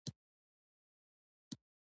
د دسترخوان کلتور ډېر بډایه دی.